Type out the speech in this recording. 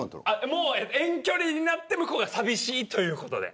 遠距離になって向こうが寂しいということで。